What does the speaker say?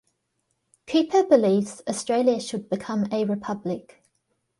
Cooper believes Australia should become a republic.